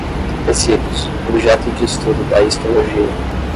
Tecidos: objeto de estudo da histologia